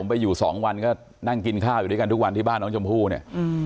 ไปอยู่สองวันก็นั่งกินข้าวอยู่ด้วยกันทุกวันที่บ้านน้องชมพู่เนี่ยอืม